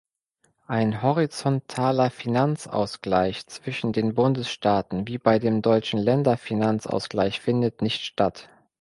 Ein horizontaler Finanzausgleich zwischen den Bundesstaaten wie bei dem deutschen Länderfinanzausgleich findet nicht statt.